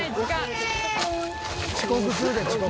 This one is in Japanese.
遅刻するで遅刻。